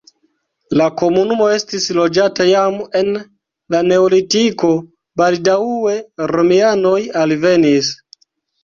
La komunumo estis loĝata jam en la neolitiko, baldaŭe romianoj alvenis.